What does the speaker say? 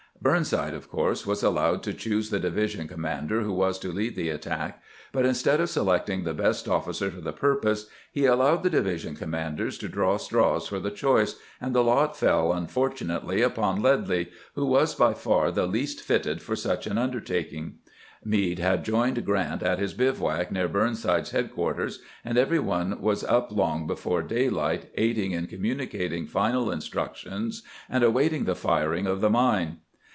Burnside, of course, was allowed to choose the division commander who was to lead the attack ; but instead of selecting the best ofl&cer for the purpose, he allowed the division commanders to draw straws for the choice, and the lot fell, unfortu nately, upon Ledlie, who was by far the least fitted for such an undertaking. Meade had joined Grant at his bivouac near Burnside's headquarters, and every one was up long before daylight, aiding in communicating final instructions and awaiting the firing of the mine.